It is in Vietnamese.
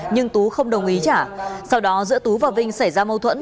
nhưng tú không đồng ý trả sau đó giữa tú và vinh xảy ra mâu thuẫn